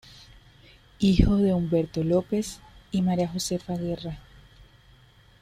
Hijo de Humberto López y María Josefa Guerra.